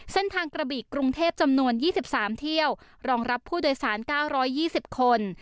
เส้นทางกระบิกรุงเทพจำนวนยี่สิบสามเที่ยวรองรับผู้โดยสารเก้าร้อยยี่สิบคน